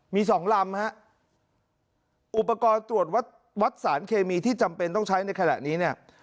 มี๒ลำอุปกรณ์ตรวจวัดสารเคมีที่จำเป็นต้องใช้ในขณะนี้